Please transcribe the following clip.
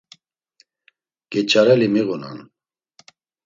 Geç̌areli miğunan.